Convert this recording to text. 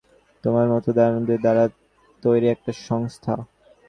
তোমার মতো দানবদের দ্বারা তৈরি একটা সংস্থা।